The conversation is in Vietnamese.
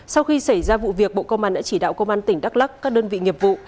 sau khi xảy ra vụ việc bộ công an đã chỉ đạo công an tỉnh đắk lắc các đơn vị nghiệp vụ